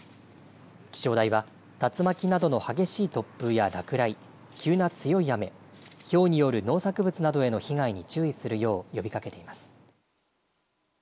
気象台は竜巻などの激しい突風や落雷急な強い雨ひょうによる農作物などへの被害に注意するよう呼びかけています。